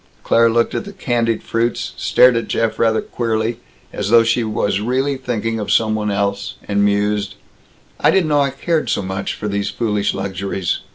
Claire looked at the candied fruits, stared at Jeff rather queerly as though she was really thinking of some one else and mused: "I didn't know I cared so much for these foolish luxuries.